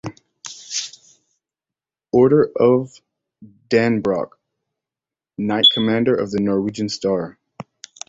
Order of Dannebrog, Knight Commander of the Norwegian Star.